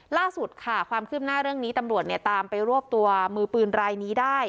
ล่าสุดค่ะความคืบหน้าเรื่องนี้ตำรวจเนี่ยตามไปรวบตัวมือปืนรายนี้ได้